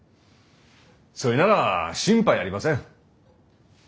そいなら心配ありません。